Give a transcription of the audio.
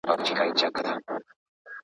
لوستي، ښکلي ښايسته، په خبره پوه